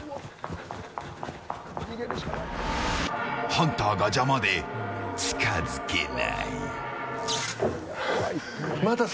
ハンターが邪魔で近づけない。